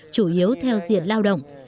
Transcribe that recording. chủ yếu theo diện lao động